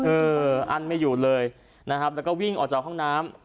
เอออั้นไม่อยู่เลยนะครับแล้วก็วิ่งออกจากห้องน้ำ